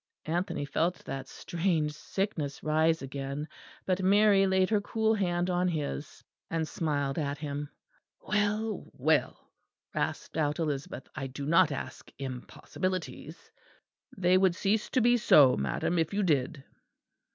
(Anthony felt that strange sickness rise again; but Mary laid her cool hand on his and smiled at him.) "Well, well," rasped out Elizabeth, "I do not ask impossibilities." "They would cease to be so, madam, if you did."